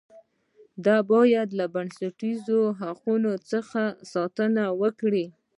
دا باید له بنسټیزو حقوقو څخه ساتنه وکړي.